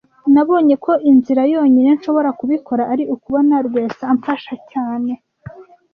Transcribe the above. Nabonye ko inzira yonyine nshobora kubikora ari ukubona Rwesa amfasha cyane